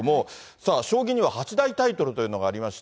さあ、将棋には八大タイトルというのがありまして。